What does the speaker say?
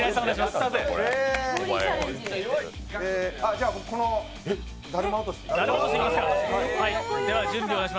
じゃ、このだるま落とし。